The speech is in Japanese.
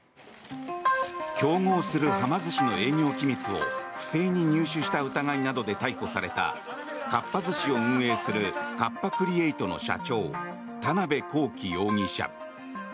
競合するはま寿司の営業機密を不正に入手するなどした疑いで逮捕されたかっぱ寿司を運営するカッパ・クリエイトの社長田邊公己容疑者。